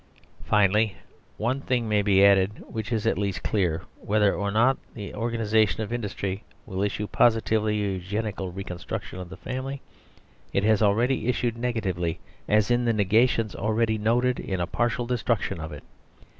Finally one thing may be added which is at least clear. Whether or no the organisation of industry will issue positively in a eugenical reconstruction of the family, it has already issued negatively, as in the negations already noted, in a partial destruction of it.